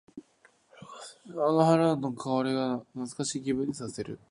あの花の香りが懐かしい気分にさせる。